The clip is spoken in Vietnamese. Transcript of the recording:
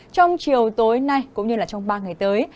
trong chiều tối nay cũng như trong ba ngày tới